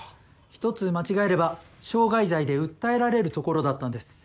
ひとつ間違えれば傷害罪で訴えられるところだったんです。